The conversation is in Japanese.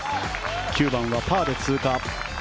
９番はパーで通過。